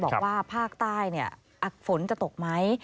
บอกว่าภาคใต้ฝนจะตกไหม